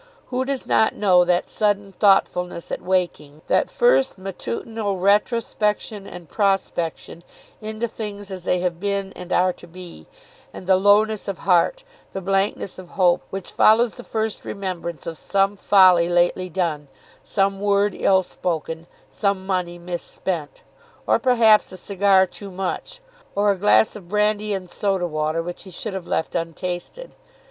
Who does not know that sudden thoughtfulness at waking, that first matutinal retrospection, and pro spection, into things as they have been and are to be; and the lowness of heart, the blankness of hope which follows the first remembrance of some folly lately done, some word ill spoken, some money misspent, or perhaps a cigar too much, or a glass of brandy and soda water which he should have left untasted?